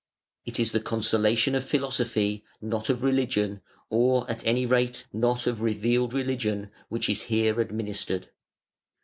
It is the consolation of philosophy, not of religion, or at any rate not of revealed religion, which is here administered.